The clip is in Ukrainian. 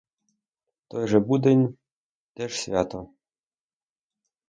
Той же будень, те ж свято.